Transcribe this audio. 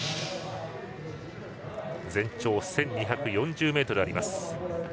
全長１２４０ｍあります。